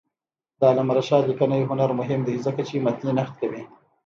د علامه رشاد لیکنی هنر مهم دی ځکه چې متني نقد کوي.